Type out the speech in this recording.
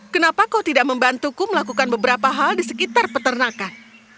kenapa kau tidak membantuku melakukan beberapa hal di sekitar peternakan